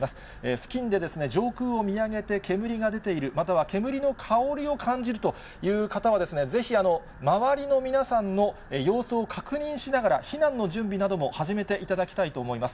付近で上空を見上げて、煙が出ている、または煙の香りを感じるという方は、ぜひ周りの皆さんの様子を確認しながら、避難の準備なども始めていただきたいと思います。